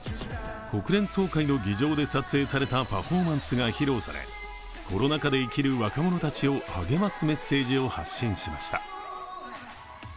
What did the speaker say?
国連の総会の議場で撮影されたパフォーマンスが披露され、コロナ禍で生きる若者たちを励ますメッセージを発信しました。